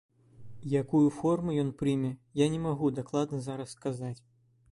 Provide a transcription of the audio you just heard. Якую форму ён прыме, я не магу дакладна зараз сказаць.